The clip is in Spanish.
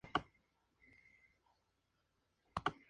No tiene sentido boicotear el arte.